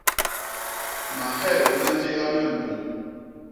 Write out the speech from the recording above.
Mahel ma njéha me mbôñ.